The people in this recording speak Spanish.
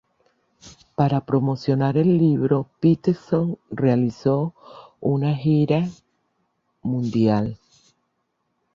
Para promocionar el libro, Peterson realizó una gira mundial.